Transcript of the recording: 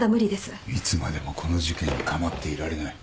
いつまでもこの事件に構っていられない。